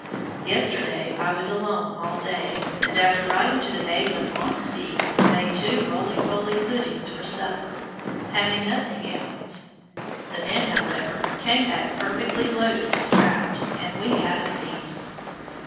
Yesterday I was alone all day, and after riding to the base of Long's Peak, made two roly poly puddings for supper, having nothing else. The men, however, came back perfectly loaded with trout, and we had a feast.